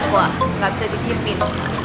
wah gak bisa dikipin